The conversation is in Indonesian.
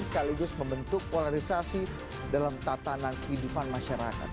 sekaligus membentuk polarisasi dalam tatanan kehidupan masyarakat